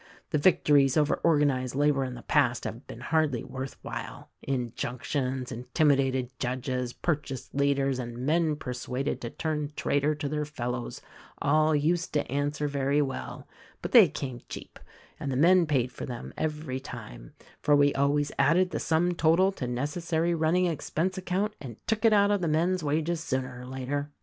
The victories over organized labor in the past have been hardly worth while; injunctions, intimidated judges, purchased leaders, and men persuaded to turn traitor to their fellows all used to answer very well ; but they came cheap — and the men paid for them, every time; for we always added the sum total to necessary run ning expense account and took it out of the men's wages sooner or later.